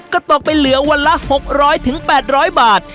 ก็ตกไปเหลือวันละ๖๐๐๘๐๐บาท